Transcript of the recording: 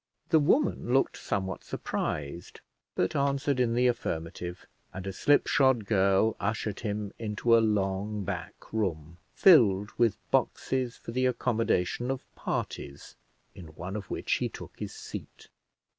The woman looked somewhat surprised, but answered in the affirmative, and a slipshod girl ushered him into a long back room, filled with boxes for the accommodation of parties, in one of which he took his seat.